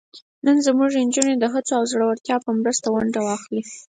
نن زموږ نجونې د هڅو او زړورتیا په مرسته ونډه واخلي.